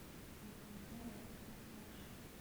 umuntu unyibazaho byinshi